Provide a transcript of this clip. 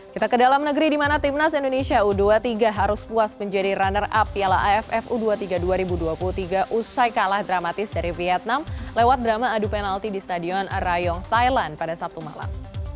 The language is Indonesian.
kita ke dalam negeri di mana timnas indonesia u dua puluh tiga harus puas menjadi runner up piala aff u dua puluh tiga dua ribu dua puluh tiga usai kalah dramatis dari vietnam lewat drama adu penalti di stadion rayong thailand pada sabtu malam